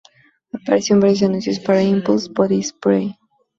Apareció en varios anuncios para Impulse Body Spray.